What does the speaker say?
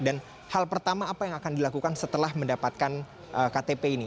dan hal pertama apa yang akan dilakukan setelah mendapatkan ktp ini